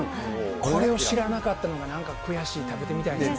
これを知らなかったのがなんか悔しい、食べてみたいです。